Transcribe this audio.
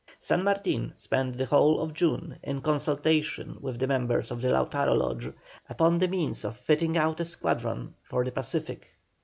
San Martin spent the whole of June in consultation with the members of the Lautaro Lodge, upon the means of fitting out a squadron for the Pacific.